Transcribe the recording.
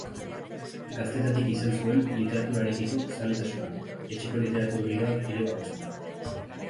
Gaztetatik izan zuen literaturarekiko zaletasuna, etxeko literatur giroak ere babestua.